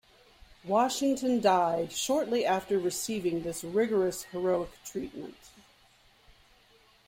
Washington died shortly after receiving this rigorous heroic treatment.